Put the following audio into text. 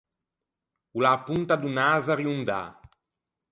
O l’à a ponta do naso arriondâ.